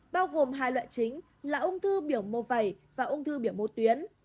bao gồm hai loại chính là ông thư biểu mô vầy và ông thư biểu mô tuyến